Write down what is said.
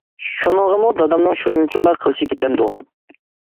شۇنىڭغىمۇ دادامنىڭ شۇنچىۋالا قىلىشى كېتەمدۇ؟ !